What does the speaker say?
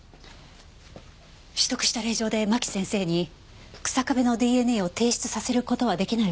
取得した令状で真木先生に日下部のＤＮＡを提出させる事は出来ないわよね。